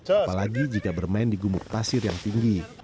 apalagi jika bermain di gumuk pasir yang tinggi